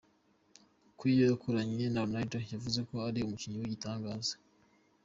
Queiroz wakoranye na Ronaldo yavuze ko ari umukinnyi w’igitangaza.